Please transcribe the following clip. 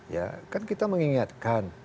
ya kan kita mengingatkan